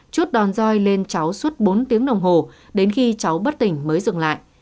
chuốt đòn roi lên cháu suốt bốn tiếng đồng hồ đến khi cháu bất tỉnh mới dừng lại